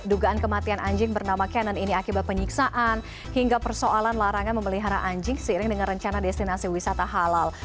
dugaan kematian anjing bernama canon ini akibat penyiksaan hingga persoalan larangan memelihara anjing seiring dengan rencana destinasi wisata halal